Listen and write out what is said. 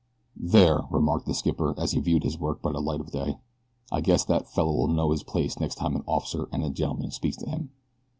"There," remarked the skipper, as he viewed his work by the light of day, "I guess that fellow'll know his place next time an officer an' a gentleman speaks to him."